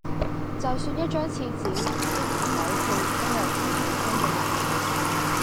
就算一張廁紙、一條底褲，都有佢本身嘅用處